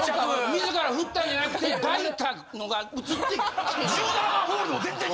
自ら振ったんじゃなくて抱いたのが移ってきて。